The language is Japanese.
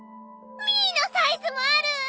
ミーのサイズもある！